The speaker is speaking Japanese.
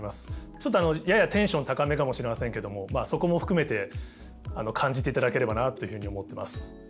ちょっとややテンション高めかもしれませんけどもそこも含めて感じていただければなというふうに思ってます。